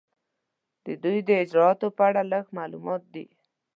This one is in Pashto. د دوی د اجرااتو په اړه لږ معلومات دي.